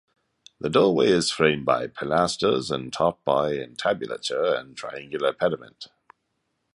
The doorway is framed by pilasters and topped by an entablature and triangular pediment.